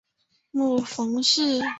母庞氏。